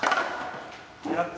やった。